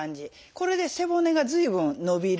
これで背骨が随分伸びる。